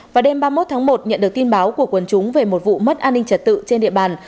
vào đêm ba mươi một tháng một nhận được tin báo của quân chúng về một vụ mất an ninh trật tự trên địa bàn